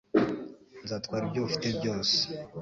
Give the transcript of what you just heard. Nzatwara ibyo ufite byose